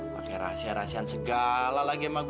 pakai rahasia rahasiaan segala lagi sama gue